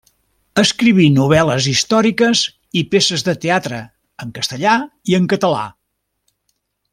Escriví novel·les històriques i peces de teatre en castellà i en català.